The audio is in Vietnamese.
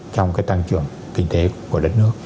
trong cái tăng trưởng kinh tế của đất nước